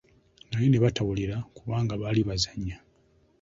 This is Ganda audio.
Naye ne batawulira kubanga baali bazannya.